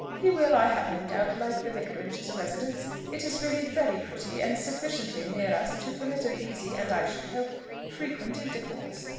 He will, I have no doubt, like the Vicarage as a residence: it is really very pretty, and sufficiently near us to permit of easy, and I should hope, frequent intercourse.